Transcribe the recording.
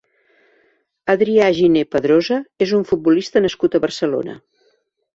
Adrià Giner Pedrosa és un futbolista nascut a Barcelona.